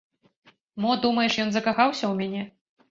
Мо, думаеш, ён закахаўся ў мяне?